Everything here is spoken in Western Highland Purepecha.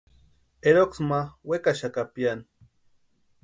Eroksï ma wekaxaka piani.